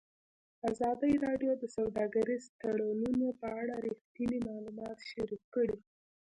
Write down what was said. ازادي راډیو د سوداګریز تړونونه په اړه رښتیني معلومات شریک کړي.